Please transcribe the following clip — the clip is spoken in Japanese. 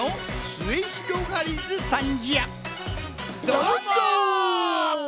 どうも！